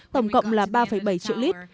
tổng cộng là ba bảy triệu lit